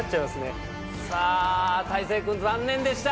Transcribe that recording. さぁ太星君残念でした。